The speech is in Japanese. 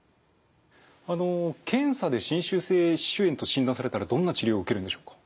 あの検査で侵襲性歯周炎と診断されたらどんな治療を受けるんでしょうか？